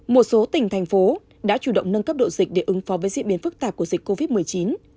một số tỉnh thành phố đã chủ động nâng cấp độ dịch để ứng phó với diễn biến phức tạp của dịch covid một mươi chín